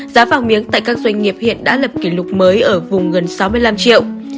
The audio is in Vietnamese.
giá vàng miếng tại các doanh nghiệp hiện đã lập kỷ lục mới ở vùng gần sáu mươi năm triệu